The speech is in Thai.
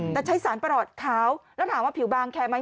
แต่ใช้สารประหลอดขาวแล้วถามว่าผิวบางแคร์ไหม